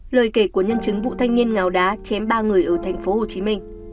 lời kể của nhân chứng vụ thanh niên ngào đá chém ba người ở tp hcm